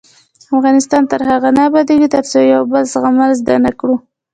افغانستان تر هغو نه ابادیږي، ترڅو د یو بل زغمل زده نکړو.